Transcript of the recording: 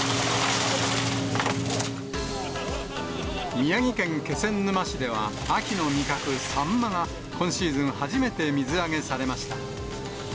宮城県気仙沼市では、秋の味覚、サンマが今シーズン初めて水揚げされました。